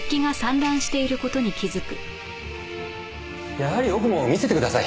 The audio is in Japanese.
やはり奥も見せてください。